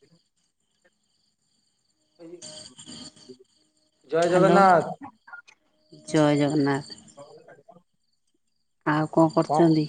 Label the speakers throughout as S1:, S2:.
S1: [inaudible] ଜୟ
S2: hello
S1: Jagannath
S2: ଜୟ ଜଗନ୍ନାଥ।
S1: [inaudible]
S2: ଆଉ କଣ କରୁଛନ୍ତି?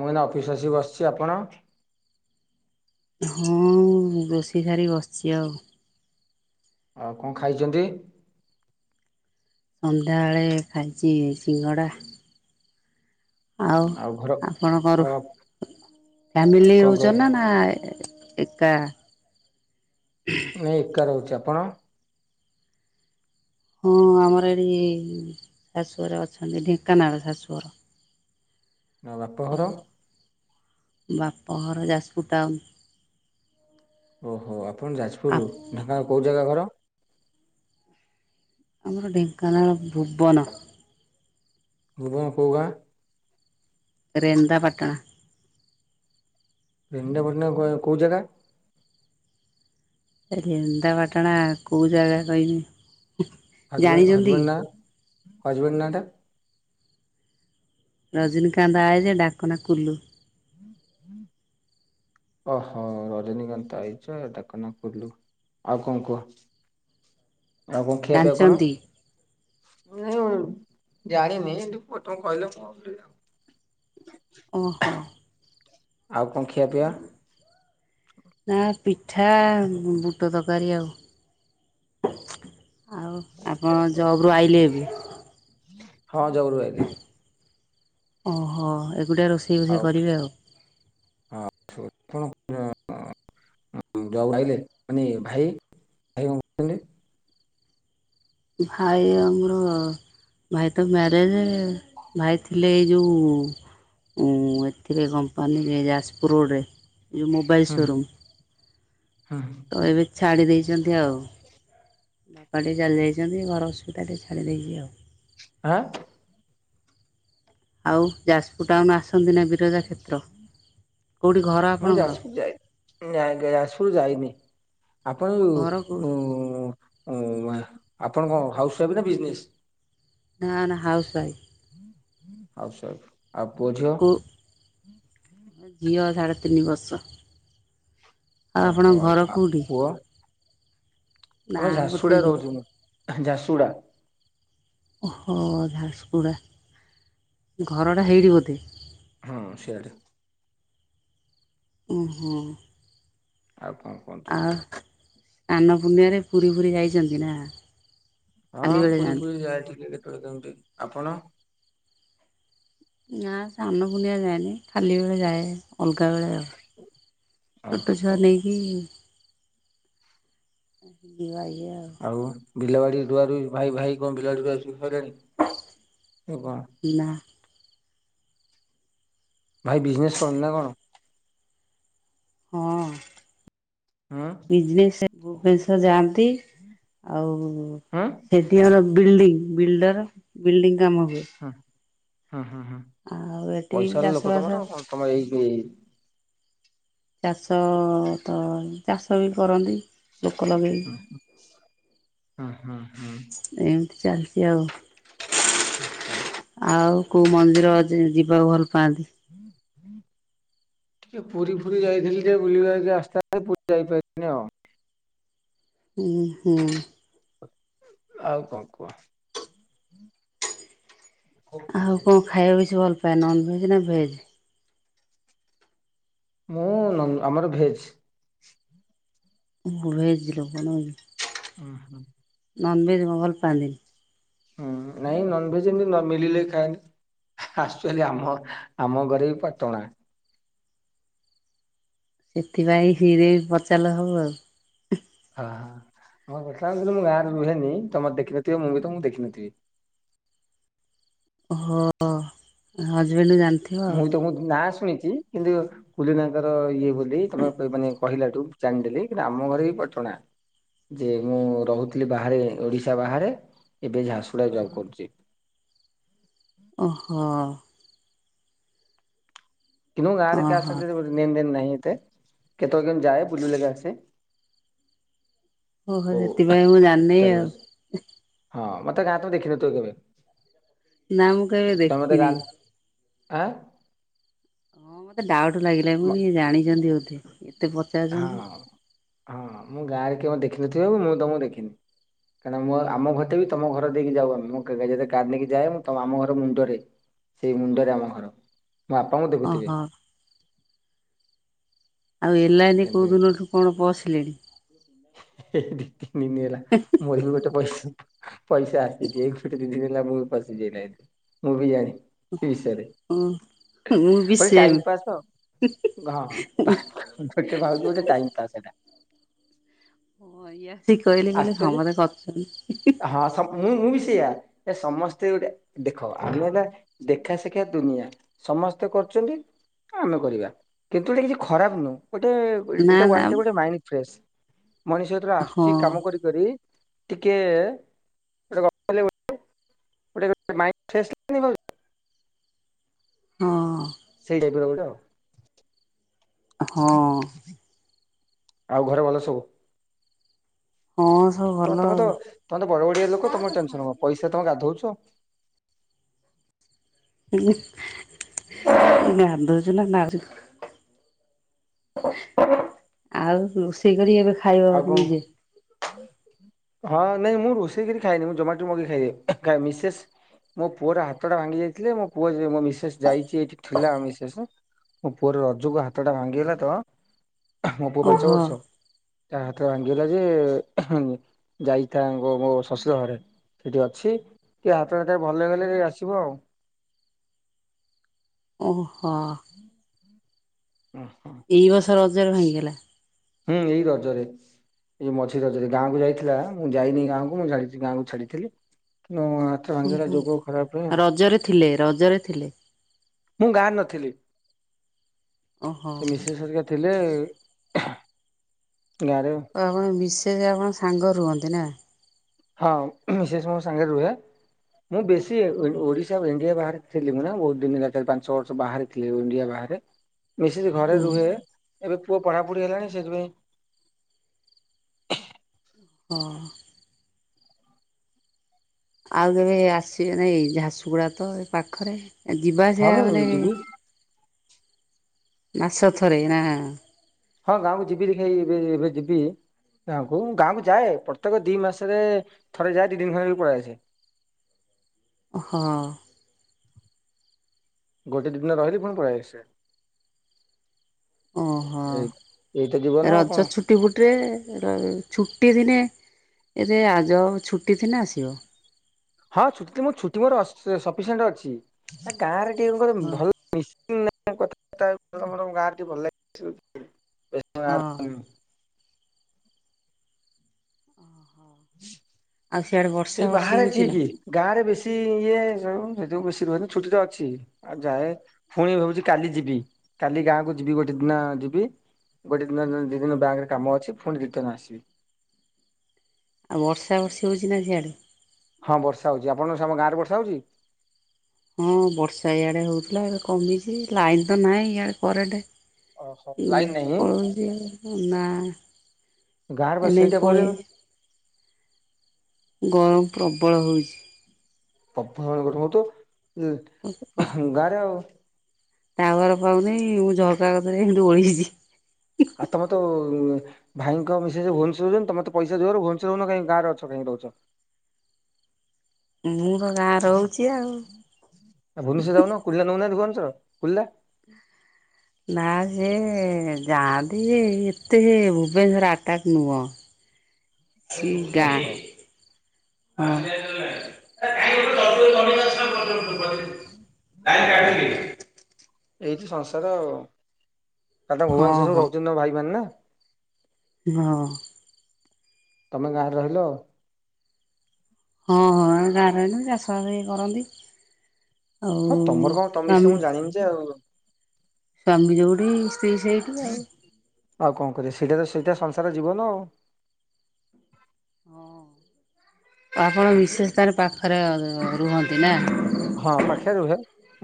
S1: ମୁଁ ଏଇନା ଅଫିସ ଆସିକି ବସିଛି ଆପଣ?
S2: ହଁ ରୋଷେଇ ସାରିକି ବସିଛି ଆଉ।
S1: ଆଉ କଣ ଖାଇଛନ୍ତି?
S2: ସନ୍ଧ୍ୟାବେଳେ ଖାଇଛି ସିଙ୍ଗଡ଼ା। ଆଉ ଆପଣ ଙ୍କ
S1: ଅ
S2: ରୁ ଫ୍ୟାମିଲି
S1: କଣ କହ
S2: ରହୁଛ ନା ନା ଏକା?
S1: ନାଇଁ ଏକା ରହୁଛି ଆପଣ?
S2: ହଁ ଆମର ଏଠି ଶଶୁଘର ଅଛନ୍ତି ଢେଙ୍କାନାଳ ଶାଶୁଘର।
S1: ଆଉ ବାପ ଘର?
S2: ବାପଘର ଜାଜପୁର ଟାଉନ।
S1: ଓହୋ ଆପଣ ଯାଜପୁରରୁ ଢେଙ୍କାନାଳ କୋଉ ଜାଗା ଘର?
S2: ଆମର ଢେଙ୍କାନାଳ ଭୁବନ।
S1: ଭୁବନ କୋଉ ଗାଁ?
S2: ରେନ୍ଦା ପାଟଣା।
S1: [unintelligible] କୋଉ ଜାଗା।
S2: ରେଣନ୍ଦାପାଟଣା କୋଉ ଜାଗା କହିନି ଜାଣିଚନ୍ତି କି।
S1: ହଜବେଣ୍ଟ ନାଟା।
S2: ରଜନିକାନ୍ତ ଆଏଜେ ଡାକନା କୁଲୁ।
S1: ହୁଁ ହୁଁ ଓହୋ ରଜନୀକାନ୍ତ ଆଇଚଡାକ ନା କୁଲୁ ଆଉ କଣ କୁଅ।
S2: [inaudible]
S1: ଆଉ କଣ ଖିଆ ପିଆ କଣ।
S2: ଜାଣିଛନ୍ତି?
S1: ମୁଁ ଜାଣିନି ଏଟି [unintelligible] ପ କହିଲେ [unintelligible]
S2: ଓହୋ।
S1: ଆଉ କଣ ଖିଆ ପିଆ।
S2: ନା ପିଠା ବୁଟ ତରକାରୀ ଆଉ। ଆଉ ଆପଣ ଜବ ରୁଆଇଲେ ଏବେ।
S1: ହଁ ଜବରୁ ଆଇଲି।
S2: ଓହୋ ଏଗୁଢାରୋଷେଇ
S1: ଆଉ
S2: ବୋଷେଇ କରିବେ ଆଉ।
S1: [unintelligible] ଜବ ଆଇଲେ ମାନେଭାଇ ଭାଇ କଣ କରଚନ୍ତି।
S2: ଭାଇ ଆମର ଭାଇ ତ ମ୍ୟାରେଜେ ଭାଇ ଥିଲେ ଏଇ ଯୋଉ ଏଥିରେ କମ୍ପାନୀରେ ଯାଜପୋରଡୋରେ। ଏଇ ଯୋ ମୋବାଇଲ
S1: ହୁଁ
S2: ସୋରୁମ୍
S1: ହୁଁ ହୁଁ
S2: ଏବେ ଛାଡ଼ି ଦେଇଚନ୍ତି ଆଉ। କୁଆଡେ ଚାଲିଯାଇଚନ୍ତି ଘର ଅସୁବିାଧାଟିକେ ଛାଡ଼ିଦେଇକି ଆଉ।
S1: ଆଁ।
S2: ଆଉ ଯାଜପୁର ଟାଉନ ଆସନ୍ତି ନା ବିରଜା କ୍ଷେତ୍ର କୋଉଠି ଘର ଆପଣଙ୍କର।
S1: ନାଁ [unintelligible] ନଯାଜପୁର ଯାଇନି ଆପଣ କୁ
S2: ଘର କେଉଁଠି
S1: ଉ ଉ ଆଁ ଆପଣ କଣ ହାଉସ ୱାଇଫ ନା ବିଜନେସି।
S2: ନା ନା ହାଉସ୍ୱାଇଫ୍।
S1: ଆଉ ପୁଅ ଝିଅ।
S2: କେଉଁ ଝିଅ ସାଢ଼େ ତିନି ବର୍ଷ। ଆଉ
S1: ଓହୋ
S2: ଆପଣଙ୍କ ଘର
S1: ଆ
S2: କୋଉଟି
S1: ପୁଅ
S2: ନା ଗୋଟେ ଝିଅ।
S1: ଝାସୁଡ଼ା।
S2: ଓହୋ ଝାରସଗୁଡ଼ା ଘରଟା ହେଇଟି ବୋଧେ।
S1: ହଁ ସିଆଡେ।
S2: ଉ ହୁଁ।
S1: ଆଉ କଣ। କୁହନ୍ତୁ
S2: ଆଉ ଆନ ପୂର୍ଣ୍ଣିମାରେ ପୁରୀ ଫୁରୀ ଯାଇଚନ୍ତି ନା।
S1: ହଁ
S2: ଖାଲି ବେଳେ
S1: ପୁରୀ
S2: ଯାଆନ୍ତି
S1: ଫୁରୀ ଯାଏ ଟିକେ କେତେଳେ କେମିତି ଆପଣ।
S2: ନାଁ ସାନ ପୁନିଆ ଯାଏନି ଖାଲିବେଳେ ଯାଏ। ଅଲଗା ବେଳେ ଆଉ ଛୋଟ ଛୁଆ
S1: ଓହୋ
S2: ନେଇ ଇ [unintelligible]
S1: ଆଉ ବିଲବାଡି ରୁଆ ରୁଇ ଭାଇ ଭାଇ କଣ ବିଲବାଡିରୁଆ ରୁଇ ସଇଲାଣି।
S2: ନା।
S1: ଭାଇ ବିଜନେସ୍ କରନ୍ତିନା କଣ।
S2: ହଁ।
S1: ଉଁ।
S2: ବିଜନେସ୍ ଭୁବନେଶ୍ଵର ଯାଆନ୍ତି ଆଉ
S1: ହୁଁ
S2: ସେଠି କାର ବିଲ୍ଡିଂ ବିଲ୍ଡର ବିଲ୍ଡିଂ କାମ ହୁଏ।
S1: ହୁଁ ହୁଁ ହୁଁ ହୁଁ
S2: ଆଉ ଏଠି
S1: ପଇସା ଏଲେ ଲୋକ
S2: ଚାଷବାସ
S1: ତମର କଣ ତମେ ଏଇି
S2: ଚାଷ ତ ଚାଷ ବି କରନ୍ତି ଲୋକ ଲଗେଇକି।
S1: ହୁଁ ହୁଁ ହୁଁ।
S2: ଏମିତି ଚାଲିଛି ଆଉ।।
S1: ହଉ
S2: ଆଉ କୋଉଁ ମନ୍ଦିର ଯି ଯିବାକୁ ଭଲ ପାଆନ୍ତି?
S1: ଟିକେ ପୁରୀ ଫୁରୀ ଯାଇଥିଲି ଯେ ବୁଲିବାକୁ ଆସ୍ତେ ଆସ୍ତେ [unintelligible]
S2: ହୁଁ ହୁଁ।
S1: ଆଉ କଣ କୁହ?
S2: ଆଉ କଣ ଖାଇବାକୁ ବେଶି ଭଲ ପାଆନ୍ତି ନନ୍ ଭେଜ ନା ଭେଜ୍?
S1: ମୁଁ ଆମର ଭେଜ୍।
S2: ଭେଜ୍ [unintelligible]
S1: ଓ ହୋ।
S2: ନନ୍ ଭେଜ ମୋର ପନିର।
S1: ହୁଁ ନାଇଁ ନନଭେଜ ଏମିତି ନମିଳିଲେ ଖାଏ। ଆକୁଚେଲି ଆମ ଆମ ଘର ବି ପଟଣା।
S2: ସେଥିପାଇଁ ହିରେ ପଚାରିଲ ସବୁ ଆଉ।
S1: ହଁ ହଁ ଆମର ମୁଁ ଗାଁ ରେ ରୁହେନି ତମେ ଦେଖିନଥିବେ ମୁଁ ବି ତମକୁ ଦେଖିନଥିବି।
S2: ହୋ ହଜବେଣ୍ଡ ଯାଆନ୍ତି।
S1: ନାଇଁ ତମ ନାଁ ଶୁଣିଚି କିନ୍ତୁ କୁଲୁନା ଙ୍କର ଇଏ ବୋଲି ତମେ ମାନେ କହିଲାଠୁ ଜାଣିଦେଲି କିନ୍ତୁ ଆମ ଘର ବି ପଟଣା। ଯେ ମୁଁ ରହୁଥିଲି ବାହାରେ ଓଡିଶା ବାହାରେ ଏବେ ଝାରସୁଗୁଡ଼ା ଜବ୍ କରୁଚି।
S2: ଓହୋ।
S1: କିନ୍ତୁ ଗାଁରେ କାହା
S2: ଓହୋ।
S1: ସାଙ୍ଗରେ ଲେନ୍ ଦେନ୍ ନାହିଁ ଏତେ କେତେବେଳେ କେମିତି ଯାଏ ବୁଲି ବାଲିକି ଆସେ।
S2: ଓହୋ
S1: ଓ
S2: ହେଥିପାଇଁ ମୁଁ ଜାଣିନି
S1: ଚାରି
S2: ଆଉ।
S1: ମାସ ହଁ ମତେ ଗାଁ ରେ ତ ଦେଖିନଥିବ କେବେ
S2: ନା ମୁଁ କେବେ
S1: ତମେ ତ ଗାଁ
S2: ଦେଖିନି।
S1: ଆଁ।
S2: ହଁ ମତେ ଡାଉଟ୍ ଲାଗିଲା
S1: ମ
S2: ମୁଁ ଜାଣିଛନ୍ତି ବୋଧେ। ଏତେ
S1: ହଁ
S2: ପଚାରୁଛନ୍ତି।
S1: ହଁ ମୁଁ ଗାଁ ରେ କେବେ ଦେଖିନଥିବ ମୁଁ ତମକୁ ଦେଖିନି। କାହିଁକି ମୁଁ ଆମ ଘର ବି ତମ ଘର ଦେଇକି ଯାଏ ମୁଁ କାର ନେଇକି ଯାଏ ତ ଆମ ଘର ମୁଣ୍ଡରେ। ସେଇ ମୁଣ୍ଡରେ ଆମ ଘର ମୋ ବାପାଙ୍କୁ ଦେଖୁଥିବେ।
S2: ଓହୋ ଆଉ ଏ ଲାଇନି କୋଉଁ
S1: ଏମିତି
S2: ଦିନଠୁ କଣ ପଶିଲେଣି?
S1: ଦି ତିନି ହେଲା ମୁଁ କହିଲି ଗୋଟେ ପଶି ପଇସା ଆସିକି ଦି ତିନି ଦିିନି ହେଲା ପଶିଚି ଏବେ ମୁଁ ବି ଜାଣିନି।
S2: ହଁ ମୁଁ ବି
S1: ଗୋଟେ
S2: ସେମ୍।
S1: ଟାଇମ ପାସ୍ ଆଉ ଓକେ ଭାଉଜ ଗୋଟେ ଟାଇମ ପାସ୍ ଏଟା।
S2: ହଁ ଇଏ ଆସିକି କହିଲେ କହିଲେ
S1: ଆକ୍ଚୁଆଲି
S2: ସମସ୍ତେ କରୁଚନ୍ତି।
S1: ହଁ ସ ମୁଁ ମୁଁ ବି ସେଇଆ ଏ ସମସ୍ତେ ଗୋଟେ ଦେଖ ଆମେ ନା ଦେଖା ସେଖା ଦୁନିଆ ସମସ୍ତେ କରୁଚନ୍ତି ଆମେ କରିବା କିନ୍ତୁ ଏଟା କିଛି ଖରାପ ନୁହଁ ଗୋଟେ
S2: ନା
S1: ଏଟା
S2: ନା
S1: ୱାନ ଟାଇମ ଗୋଟେ ମାଇଣ୍ଡ ଫ୍ରେସ ମଣିଷ ଯେତେବେଳେ ଆସ
S2: ହଁ
S1: କରି କରି ଟିକେ ଗପିଲେ [unintelligible] ଗୋଟେ [unintelligible] ମାଇଣ୍ଡ ଫ୍ରେସ ଲାଗେନି ଭାଉ
S2: ହଁ।
S1: ସେଇ ଟାଇପ୍ ର ଗୋଟେ ଆଉ।
S2: ହଁ
S1: ଆଉ ଘରେ ଭଲ ସବୁ?
S2: ହଁ ସବୁ
S1: ତ
S2: ଭଲ
S1: ତମେ
S2: ଆଉ
S1: ତମେ ବଡ଼ ବଡ଼ିଆ ଲୋକ ତମର ଟେନସନ କଣ ପଇସା ତମେ ଗାଧୋଉଚ।
S2: [unintelligible] ଗାଧୋ ନା ଆହୁରି କଣ ଆଉ ରୋଷ ଷେଇ କରି ଏବେ ଖାଇବ
S1: ଆଉ କଣ
S2: ନିଜେ?
S1: ହଁ ନାଇଁ ମୁଁ ରୋଷେଇ କରି ଖାଏନି ମୁଁ ଜୋମାଟୋ ମଗେଇ ଖାଇଦିଏ ମିସେସ୍ ମୋ ପୁଅର ହାତଟା ଭାଙ୍ଗି ଯାଇଥିଲେ ମୋ ପୁଅ ମୋ ମିସେସ୍ ଯାଇଛି ଏଠି ଥିଲା ମିସେସ୍। ମୋ ପୁଅର ରଜକୁ ହାତ ଟା ଭାଙ୍ଗିଗଲା ତ ମୋ ପୁଅ ପାଞ୍ଚ
S2: ଓହୋ
S1: ବର୍ଷ। ତାହାତ ଭାଙ୍ଗିଗଲାଯେ ଯାଇଚିତାଙ୍କ ଗୋ ଗୋ ମୋ ଶଶୁର ଘରେ ସେଇଠି ଅଛି ଟିକେ ହାତଟା ଟିକେ ଭଲ ହେଗଲେ ଆସିବ ଆଉ।
S2: ଓହୋ।
S1: ହ ହ।
S2: ଏଇ ବର୍ଷ ରଜ ରେ ଭାଙ୍ଗିଗଲା?
S1: ହୁଁ ଏଇ ରଜରେ। ଇଏ ମଝି ରଜରେ ଗାଁକୁ ଯାଇଥିଲା ମୁଁ ଯାଇନି ଗାଁକୁ ମୁଁ ଯାଇଛି ଗାଁକୁ ଛାଡିଥିଲି କିନ୍ତୁ ଭାଙ୍ଗିଗଲା
S2: ଓହୋ
S1: ଯୋଗ ଖରାପ ପାଇଁ
S2: ରଜରେ ଥିଲେ ରଜରେ ଥିଲେ।
S1: ମୁଁ ଗାଁରେ ନଥିଲି
S2: ଓହୋ।
S1: ସେ ମିସେସ୍ ହରିକା ଥିଲେ। ଗାଁ ରେ
S2: ତ ଆପଣ ମିସେସ ଆପଣ ସାଙ୍ଗ ରୁହନ୍ତି ନା।
S1: ହଁ ମିସେସ୍ ମୋ ସାଙ୍ଗରେ ରୁହେ ମୁଁ ବେଶୀ ଓଡ଼ିଶା ଆଉ ଇଣ୍ଡିଆ ବାହାରେ ଥିଲି ମୁ ନା ବହୁତ ଦିନ ହେଲା ଚାରି ପାଞ୍ଚ ଛ ବର୍ଷ ବାହାରି ଥିଲି ଇଣ୍ଡିଆ ବାହାରେ ମିସେସ୍ ଘରେ
S2: ହୁଁ।
S1: ରୁହେ। ଏବେ ପୁଅ ପଢାପଢି ହେଲାଣି ସେଥିପାଇଁ
S2: ହଁ। ଆଉ କେବେ ଆସିବେ ନା ଏଇ ଝାରସୁଗୁଡା ତ ଏ ପାଖରେ। ଯିବା
S1: ହଁ
S2: ଆସିବା
S1: ମୁଁ
S2: ମାନେ
S1: ଯିବି
S2: ମାସକ ଥରେ ନା
S1: ହଁ ଗାଁକୁ ଯିବି ଦେଖିଆ ଏଇ ଏବେ ଏବେ ଯିବି ଗାଁକୁ ମୁଁ ଗାଁକୁ ଯାଏ ପ୍ରତ୍ୟେକ ଦି ମାସରେ ଥରେ ଯାଏ ଦି ଦିନ ଖଣ୍ଡେ ରହି ପଳେଇ ଆସେ।
S2: ହଁ।
S1: ଗୋଟେ ଦି ଦିନ ରହିଲି ଫୁଣି ପଲେଇ ଆାସେ।
S2: ଓହୋ
S1: ଏଇ ଏଇତ ଜୀବନ ଆଉ
S2: ରଜ
S1: କଣ
S2: ଛୁ ଛୁଟି ଫୁଟିରେ ର ଛୁଟି ଦିନେ ଏରେ ଆଜ ଛୁଟି ଥିନେ ଆସିବ।
S1: ହଁ ଛୁଟିତ ମୋର ଛୁଟି ଅଶି ସ ସପିସେଣ୍ତେ ଅଛି ଏ ଗାଁରେ ଟିକେ କଣ କଇଲୁ
S2: ହଁ।
S1: ଭଲ ମିସିଙ୍ଗ ନାହିଁ କଥାବାର୍ତାର [unintelligible] ଗାଁରେ ଭଲ
S2: ହଁ।
S1: ଲାଗେନି [unintelligible]
S2: ଆଉ ସିଆଡ଼େ ବର୍ଷା
S1: ଏଇ
S2: ବର୍ଷି
S1: ବାହାରେ
S2: ହଉଛି ନା
S1: ଠିକି। ଗାଁ ରେ ବେଶୀ ଇଏ ସବୁ ସେଥି ବେଶୀ ରୁହେନା ଛୁଟି ତ ଅଛି ଆଉ ଯାଏ। ପୁଣି ଭାବୁଛି କାଲି ଯିବି କାଲି ଗାଁକୁ ଯିବି ଗୋଟେ ଦିନ ଯିବି। ଗୋଟେ ଦିନ ଦି ଦିନ ବ୍ୟାଙ୍କରେ କାମ ଅଛି ପୁଣି ରିଟର୍ନ ଆସିବି।
S2: ଆଉ ବର୍ଷା ବର୍ଷି ହଉଛି ନା ସିଆଡ଼େ?
S1: ହଁ ବର୍ଷା ହଉଛି ଆପଣ ସାମ ଆମ ଗାଁ ରେ ବର୍ଷା ହଉଛି?
S2: ହଁ ବର୍ଷା ଇଆଡ଼େ ହଉଥିଲା ଏବେ କମିଛି ଲାଇନ୍ ତ ନାହିଁ ଇଆଡ଼େ କରେଣ୍ଟ।
S1: ଓହୋ
S2: ଉଁ
S1: ଲାଇନ ନାହିଁ
S2: ପଳୋଉଚି ଆଉ ଉଁ ମାଁ
S1: ଗାଁରେ ବା
S2: ଏଇନେ
S1: ସେଇଟା ପ୍ରୋବ୍ଲେମ
S2: ପଳେଇବେ ଗରମ ପ୍ରବଳ ହେଉଛି।
S1: [unintelligible] ତ
S2: ଓ
S1: ଗାଁରେ ଆଉ।
S2: ଟାୱାର ପାଉନି ମୁଁ ଝରକା କଥିରେ ଏମିତି ଓଳିଛି।
S1: ଆଉ ତମେ ତ ଭାଇଙ୍କ ମିସେସ୍ ଭୁବନେଶ୍ୱର ରଉଛନ୍ତି ତମେ ତ ପଇସା ଜୋରେ ଭୁବନେଶ୍ୱର ରଉନ କାହିଁ ଗାଁରେ ଅଛ କାହିଁ ରହୁଛ।
S2: ମୁଁ ତ ଗାଁ ରହୁଛି ଆଉ।
S1: ଆଉ ଭୁବନେଶ୍ୱର ଯାଉନ କୁଲିଦା ନଉନାହାନ୍ତି ଭୁବନେଶ୍ୱର କୁଲିଦା
S2: ନା ସେ ଯାଆନ୍ତି ଯେ ଏତେ ସେ ଭୁବନେଶ୍ର ଆଟାକ୍ ନୁହଁ। ଛିଗାଁ
S1: ଓହୋ
S2: ହଁ।
S1: ହଉ ହଉ ଏଇ ତ ସଂସାର ଆଉ। କାଟା
S2: ହଁ
S1: ଭୁବନଶ୍ୱରରେ ସବୁ
S2: ହଁ
S1: ରହୁଛନ୍ତି ନା ଭାଇ ମାନ୍ ନା।
S2: ହଁ।
S1: ତମେ ଗାଁରେ ରହିଲ।
S2: ହଁ ହଁ ଆମେ ଗାଁରେ ରହିଲୁ ଚାଷ ବାସ ଏ କରନ୍ତି। ଓଉ ଶାମ [unintelligible]
S1: ସେ ଆଉ,
S2: ସ୍ୱାମୀ ଯୋଉଠି ସ୍ତ୍ରୀ ସେଇଠି ଆ।
S1: ଆଉ କଣ କରିବ ସେଇଟା ତ ସେଇଟା ସଂସାର ଜିବନ ଆଉ।
S2: ହଁ। ଆପଣ ମିଶେସ୍ ତାର ପାଖରେ ରୁହନ୍ତି ନା।
S1: ହଁ ପାଖେ ରୁହେ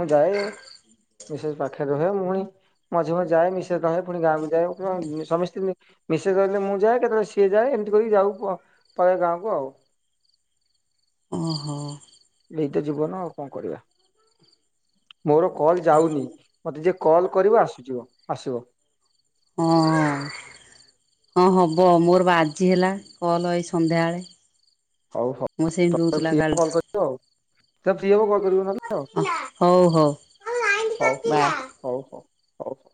S1: ମୁଁ ଯାଏ ବିଶେଷ ପାଖରେ ରୁହେ ପୁଣି ମଝି ମଝି ଯାଏ ମିଶ୍ର ରହେ ପୁଣି ଗାଁକୁ ଯାଏ ସମସ୍ତେ, ମିଶେ କହିଲେ ମୁଁ ଯାଏ କେତେବେଳେ ସିଏ ଯାଏ ଏମିତି କରିକି ଯାଉ ପରେ ଗାଁ କୁ ଆଉ।
S2: ଓହୋ
S1: ଏଇତ ଜୀବନ ଆଉ କଣ କରିବା। ମୋର କଲ୍ ଯାଉନି ମୋତେ ଯିଏ କଲ୍ କରିବ ଆସୁଯିବ ଆସିବ।
S2: ହଁ। ହଁ ହେବ ମୋର ବା ଆଜି ହେଲା କଲ୍ ଏଇ ସନ୍ଧ୍ୟାବେଳେ,
S1: ହଉ
S2: ମୋର
S1: ହଉମେ
S2: ସେମିତି
S1: କରିବଉମେ
S2: ଦଉଥିଲା କାଲିଠୁ।
S1: ସଏ ହବ କଲ କରିବ ନହଲେ ଆଉ [unintelligible]
S2: ହଉ ହଉ। କାଇ [inaudible] [unintelligible]
S1: ହଉ ହଉ ହଉ ହଉ।